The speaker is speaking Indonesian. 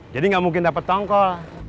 jadi nggak mungkin dapat tongkol